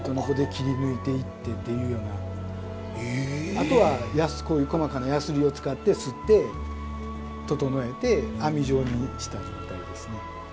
あとはこういう細かなやすりを使って擦って整えて網状にした状態ですね。